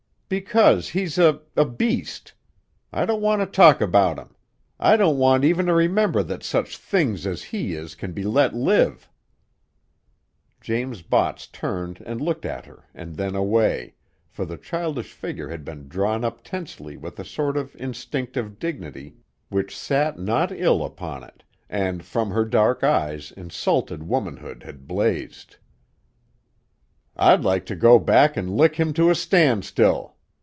"Because he's a a beast! I don't want to talk about him! I don't want even to remember that such things as he is can be let live!" James Botts turned and looked at her and then away, for the childish figure had been drawn up tensely with a sort of instinctive dignity which sat not ill upon it, and from her dark eyes insulted womanhood had blazed. "I'd like to go back and lick him to a standstill!"